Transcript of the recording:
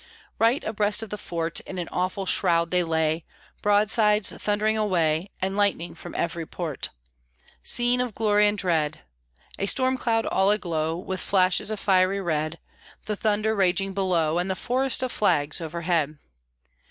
Right abreast of the Fort In an awful shroud they lay, Broadsides thundering away, And lightning from every port; Scene of glory and dread! A storm cloud all aglow With flashes of fiery red, The thunder raging below, And the forest of flags o'erhead!